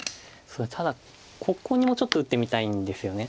ただここにもちょっと打ってみたいんですよね。